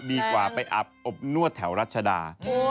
ดีกว่าไปอับอบนวดแถวรัชดา